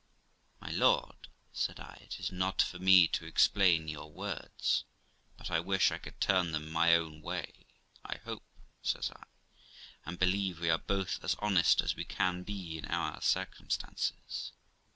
' My lord ', said I, ' 'tis not for me to explain your words, but I wish I could turn them my own way. I hope', says I, 'and believe, we are both as honest as we can be in our circumstances.'